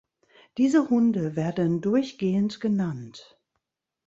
Diese Hunde werden durchgehend genannt.